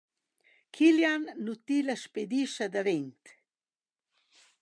Kilian nu tilla spedischa davent.